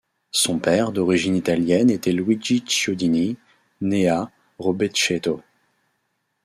Son père d’origine italienne était Luigi Chiodini, né à Robecchetto.